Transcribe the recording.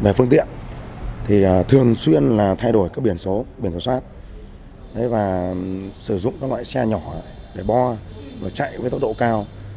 về phương tiện thì thường xuyên là thay đổi các biển số biển số xoát sử dụng các loại xe nhỏ để bo chạy với tốc độ cao